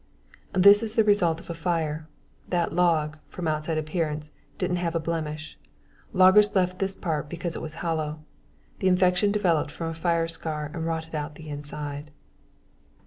This is the result of fire. That log, from outside appearance, didn't have a blemish. Loggers left this part because it was hollow. The infection developed from a fire scar and rotted out the inside.